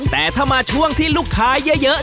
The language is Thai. แต่ถ้ามาช่วงที่ลูกค้าเยอะ